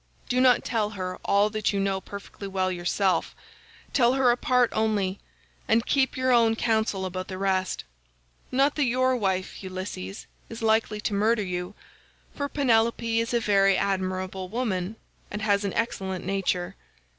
Do not tell her all that you know perfectly well yourself. Tell her a part only, and keep your own counsel about the rest. Not that your wife, Ulysses, is likely to murder you, for Penelope is a very admirable woman, and has an excellent nature.